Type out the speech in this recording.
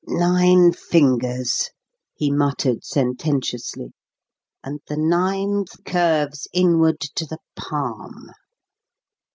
"Nine fingers," he muttered sententiously, "and the ninth curves inward to the palm!"